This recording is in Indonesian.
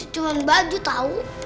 cuman baju tau